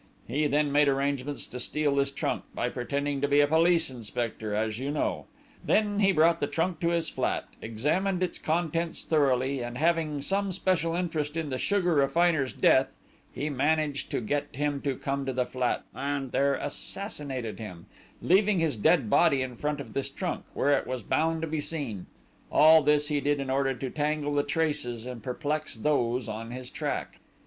He then made arrangements to steal this trunk, by pretending to be a police inspector, as you know; then he brought the trunk to this flat, examined its contents thoroughly, and having some special interest in the sugar refiner's death, he managed to get him to come to the flat, and there assassinated him, leaving his dead body in front of this trunk, where it was bound to be seen; all this he did in order to tangle the traces and perplex those on his track...."